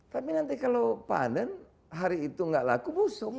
tapi nanti kalau panen hari itu enggak laku busuk